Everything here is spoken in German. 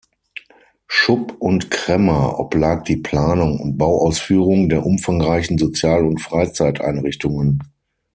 Schupp und Kremmer oblag die Planung und Bauausführung der umfangreichen Sozial- und Freizeiteinrichtungen.